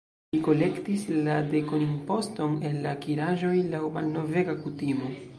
Li kolektis la dekonimposton el la akiraĵoj, laŭ malnovega kutimo.